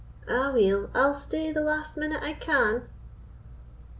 "Aweel, I'll stay the last minute I can."